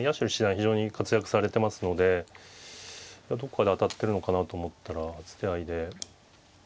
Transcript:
非常に活躍されてますのでどこかで当たってるのかなと思ったら初手合いで。